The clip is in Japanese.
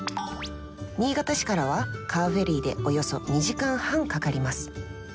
新潟市からはカーフェリーでおよそ２時間半かかります。